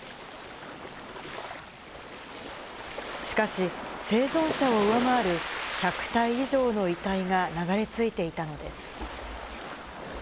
しかし、生存者を上回る１００体以上の遺体が流れ着いていたのです。